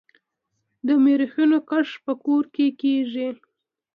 د مرخیړیو کښت په کور کې کیږي؟